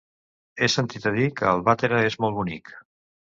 He sentit a dir que Albatera és molt bonic.